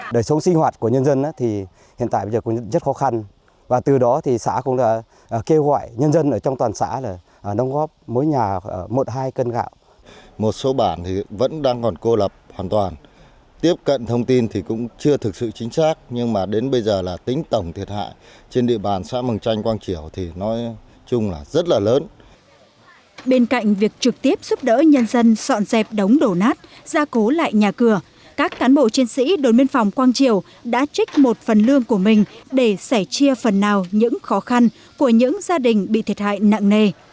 bên cạnh việc trực tiếp giúp đỡ nhân dân dọn dẹp đống đổ nát gia cố lại nhà cửa các cán bộ chiến sĩ đối miên phòng quang triều đã trích một phần lương của mình để sẻ chia phần nào những khó khăn của những gia đình bị thiệt hại nặng nề